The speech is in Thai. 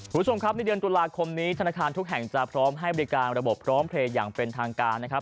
คุณผู้ชมครับในเดือนตุลาคมนี้ธนาคารทุกแห่งจะพร้อมให้บริการระบบพร้อมเพลย์อย่างเป็นทางการนะครับ